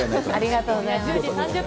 ありがとうございます。